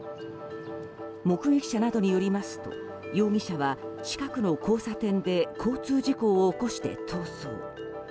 目撃者などによりますと容疑者は近くの交差点で交通事故を起こして逃走。